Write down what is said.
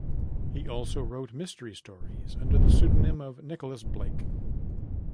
He also wrote mystery stories under the pseudonym of Nicholas Blake.